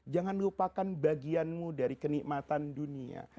jangan lupakan bagianmu dari kenikmatan dunia